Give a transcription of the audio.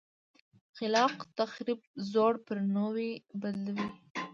خلاق تخریب زوړ پر نوي بدلوي.